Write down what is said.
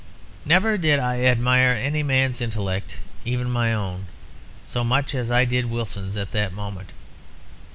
"Never did I admire any man's intellect (even my own) so much as I did Wilson's at that moment.